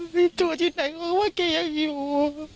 มีตัวที่ไหนก็ว่าแกยังอยู่